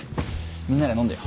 みんなで飲んでよ。